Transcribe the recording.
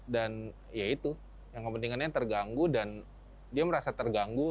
dan ya itu yang kepentingannya terganggu dan dia merasa terganggu